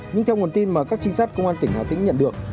nhưng theo nguồn tin mà các trinh sát công an tỉnh hà tĩnh nhận được